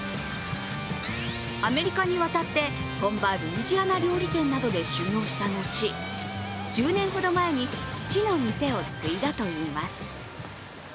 アメリカに渡って、本場ルイジアナ料理店などで修業した後１０年ほど前に、父の店を継いだといいます。